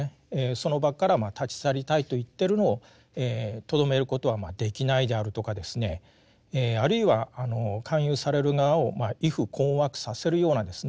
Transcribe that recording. その場から立ち去りたいと言ってるのをとどめることはできないであるとかですねあるいは勧誘される側を畏怖困惑させるようなですね